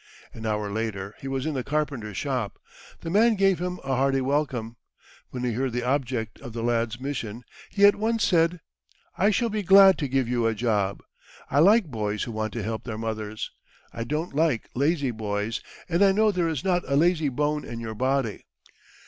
An hour later he was in the carpenter's shop. The man gave him a hearty welcome. When he heard the object of the lad's mission, he at once said "I shall be glad to give you a job. I like boys who want to help their mothers. I don't like lazy boys, and I know there is not a lazy bone in your body."